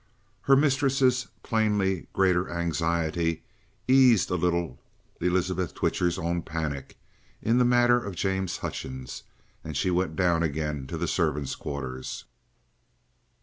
Her mistress's plainly greater anxiety eased a little Elizabeth Twitcher's own panic in the matter of James Hutchings, and she went down again to the servants' quarters.